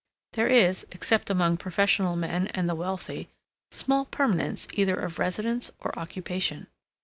There is, except among professional men and the wealthy, small permanence either of residence or occupation.